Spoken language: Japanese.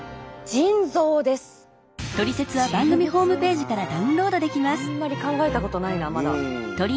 腎臓あんまり考えたことないなまだ。